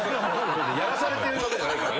やらされてるわけじゃないから。